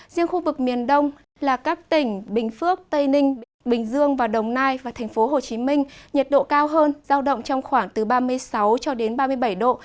riêng khu vực miền đông là các tỉnh bình phước tây ninh bình dương và đồng nai và thành phố hồ chí minh nhiệt độ cao hơn giao động trong khoảng từ ba mươi sáu cho đến ba mươi bảy độ